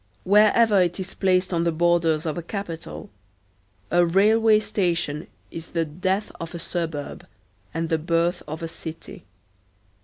Wherever it is placed on the borders of a capital, a railway station is the death of a suburb and the birth of a city.